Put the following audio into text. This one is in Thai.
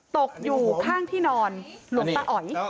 ตกอยู่ข้างที่นอนหลวงตาอ๋อย